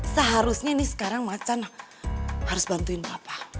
seharusnya nih sekarang macan harus bantuin bapak